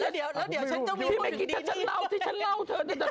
แล้วเดี๋ยวฉันต้องมีวัตถุดีนี้พี่มายกิสถ์ถ้าฉันเล่าสิฉันเล่าเธอ